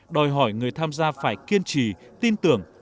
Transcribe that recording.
đòi hỏi người tham gia phải kiên trì tin tưởng